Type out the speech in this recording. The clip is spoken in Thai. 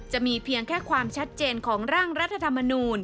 จะมีเพียงแค่ความชัดเจนของร่างรัฐธรรมนูล